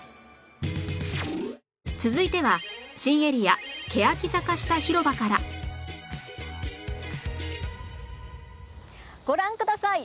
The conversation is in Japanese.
続いては新エリアけやき坂下ひろばからご覧ください！